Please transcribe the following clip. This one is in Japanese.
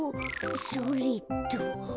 それっと。